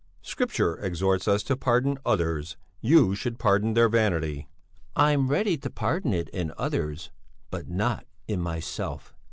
Scripture exhorts us to pardon others; you should pardon their vanity." "I'm ready to pardon it in others but not in myself.